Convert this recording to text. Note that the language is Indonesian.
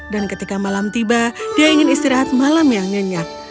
dan ketika malam tiba dia ingin istirahat malam yang nyenyak